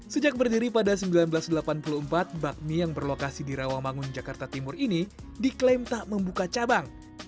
sejak berdiri pada seribu sembilan ratus delapan puluh empat bakmi yang berlokasi di rawamangun jakarta timur ini diklaim tak membuka cabang